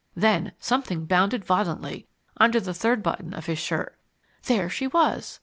Then something bounded violently under the third button of his shirt. There she was!